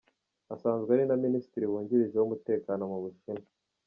Asanzwe ari na minisitiri wungirije w'umutekano mu Bushinwa.